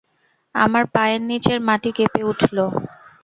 আমার পায়ের নিচের মাটি কেঁপে উঠল।